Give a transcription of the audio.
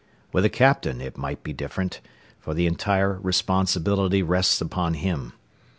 With a captain it might be different, for the entire responsibility rests upon him.